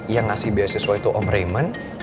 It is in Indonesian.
yang ngasih beasiswa itu om rayment